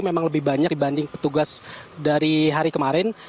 memang lebih banyak dibanding petugas dari hari kemarin